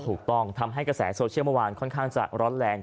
ถูกต้องทำให้กระแสโซเชียลเมื่อวานค่อนข้างจะร้อนแรง